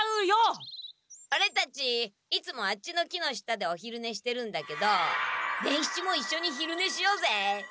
オレたちいつもあっちの木の下でお昼寝してるんだけど伝七もいっしょに昼寝しようぜ！